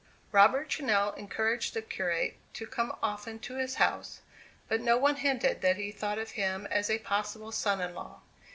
Robert Channell encouraged the curate to come often to his house; but no one hinted that he thought of him as a possible son in law.